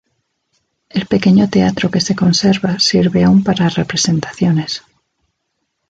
El pequeño teatro que se conserva sirve aún para representaciones.